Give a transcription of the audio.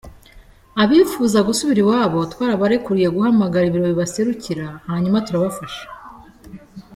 Abipfuza gusubira iwabo twarabarekuriye guhamagara ibiro bibaserukira, hanyuma turafashanya.